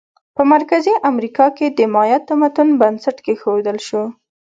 په مرکزي امریکا کې د مایا تمدن بنسټ کېښودل شو.